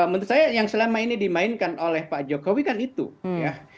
menurut saya yang selama ini dimainkan oleh pak jokowi kan itu ya